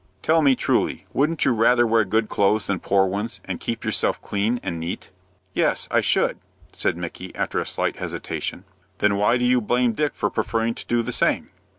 "Tell me truly, wouldn't you rather wear good clothes than poor ones, and keep yourself clean and neat?" "Yes, I should," said Micky, after a slight hesitation. "Then why do you blame Dick for preferring to do the same?"